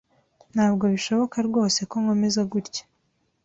Ntabwo bishoboka rwose ko nkomeza gutya.